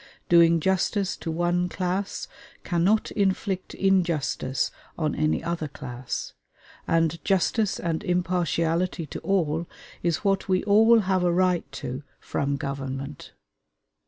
Doing justice to one class cannot inflict injustice on any other class, and "justice and impartiality to all" is what we all have a right to from government.